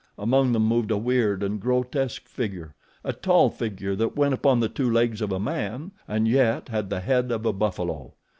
Among them moved a weird and grotesque figure, a tall figure that went upon the two legs of a man and yet had the head of a buffalo.